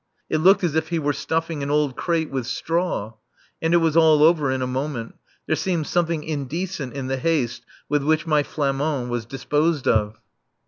It looked as if he were stuffing an old crate with straw. And it was all over in a moment. There seemed something indecent in the haste with which my Flamand was disposed of.